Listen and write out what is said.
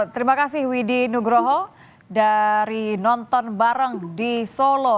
terima kasih widhi nugroho dari nonton bareng di solo